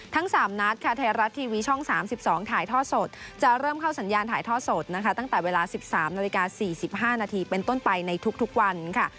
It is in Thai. ทั้ง๓นัดค่ะไทยรัฐทีวีช่อง๓๒ถ่ายท่อสดจะเริ่มเข้าสัญญาณถ่ายทอดสดนะคะตั้งแต่เวลา๑๓นาฬิกา๔๕นาทีเป็นต้นไปในทุกวันค่ะ